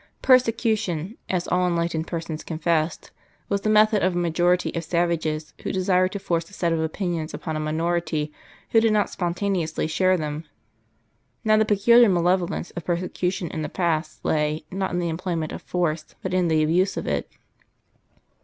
Persecution, as all enlightened persons confessed, was the method of a majority of savages who desired to force a set of opinions upon a minority who did not spontaneously share them. Now the peculiar malevolence of persecution in the past lay, not in the employment of force, but in the abuse of it.